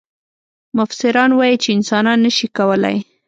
مفسران وايي چې انسان نه شي کولای.